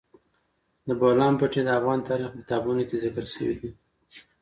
د بولان پټي د افغان تاریخ په کتابونو کې ذکر شوی دي.